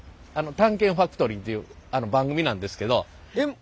「探検ファクトリー」っていう番組なんですけど。